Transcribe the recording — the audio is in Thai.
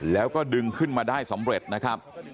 แล้วก็ดึงขึ้นมาได้สำเร็จนะครับ